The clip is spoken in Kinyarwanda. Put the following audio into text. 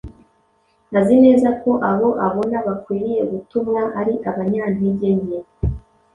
Azi neza ko abo abona bakwiriye gutumwa ari abanyantegenke,